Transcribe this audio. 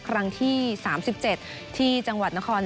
ครั้งที่๓๗ที่จังหวัดนคร